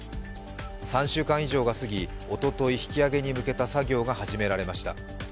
３週間以上がすぎおととい、引き揚げに向けた作業が始められました。